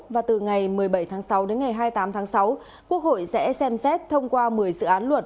và từ ngày một mươi bảy tháng sáu đến ngày hai mươi tám tháng sáu quốc hội sẽ xem xét thông qua một mươi dự án luật